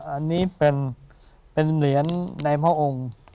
อันนี้เป็นเหรียญในพระองค์